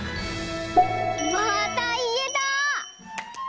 またいえた！